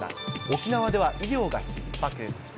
沖縄では医療がひっ迫。